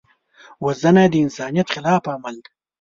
وژنه د انسانیت خلاف عمل دی